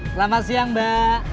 selamat siang mbak